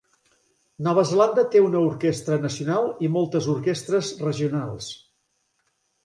Nova Zelanda té una orquestra nacional i moltes orquestres regionals.